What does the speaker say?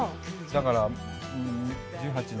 だから１８年。